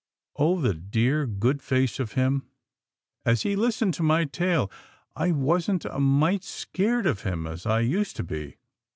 Oh! the dear good face of him, as he listened to my tale. I wasn't a mite scared of him as I used to be."